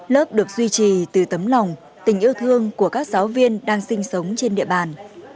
lớp được duy trì từ tấm lòng tình yêu thương của các giáo viên đang sinh sống trên địa bàn